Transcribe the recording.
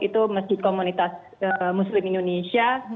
itu masjid komunitas muslim indonesia